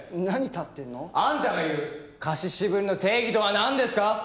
何立ってんの？あんたが言う貸し渋りの定義とはなんですか？